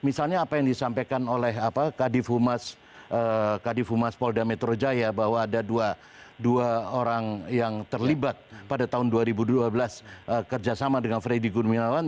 misalnya apa yang disampaikan oleh kadif humas polda metro jaya bahwa ada dua orang yang terlibat pada tahun dua ribu dua belas kerjasama dengan freddy gunawan